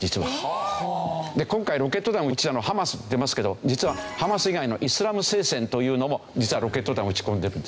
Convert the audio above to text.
えーっ！で今回ロケット弾を撃ったのハマスっていってますけど実はハマス以外のイスラム聖戦というのも実はロケット弾を撃ち込んでるんですよ。